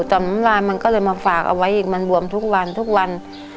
แต่น้ำลายมันก็เลยมาฝากเอาไว้อีกมันบวมทุกวันทุกวัน